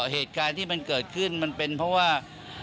เหตุการณ์ที่มันเกิดขึ้นมันเป็นเพราะว่า